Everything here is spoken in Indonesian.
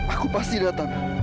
aku pasti datang